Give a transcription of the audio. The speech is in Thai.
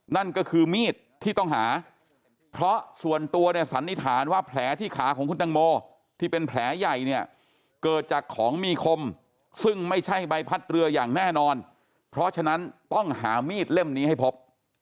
นั่นก็คือมีดที่ต้องหาเพราะส่วนตัวเนี่ยสันนิษฐานว่าแผลที่ขาของคุณตังโมที่เป็นแผลใหญ่เนี่ยเกิดจากของมีคมซึ่งไม่ใช่ใบพัดเรืออย่างแน่นอนเพราะฉะนั้นต้องหามีดเล่มนี้ให้พบ